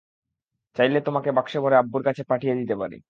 চাইলে তোমাকে বাক্সে ভরে আব্বুর কাছে পাঠিয়ে দিতে পারি।